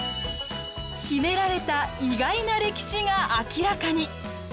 秘められた意外な歴史が明らかに！